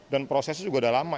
dan prosesnya sudah lama